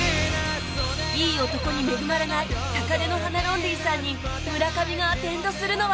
いい男に恵まれない高嶺の花ロンリーさんに村上がアテンドするのは